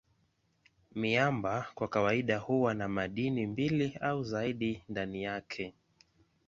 Miamba kwa kawaida huwa na madini mbili au zaidi ndani yake.